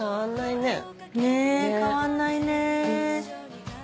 ねぇ変わんないね。